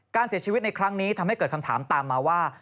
การเสียชีวิตในครั้งนี้ทำให้เกิดคำถามตามมาว่า